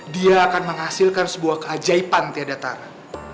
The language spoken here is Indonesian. dia akan menghasilkan sebuah keajaiban tiada tara